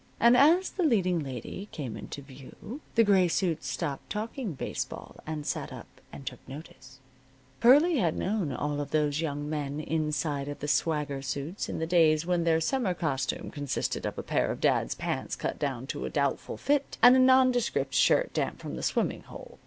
And as the leading lady came into view the gray suits stopped talking baseball and sat up and took notice. Pearlie had known all those young men inside of the swagger suits in the days when their summer costume consisted of a pair of dad's pants cut down to a doubtful fit, and a nondescript shirt damp from the swimming hole.